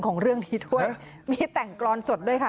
ของเรื่องนี้ด้วยมีแต่งกรอนสดด้วยค่ะ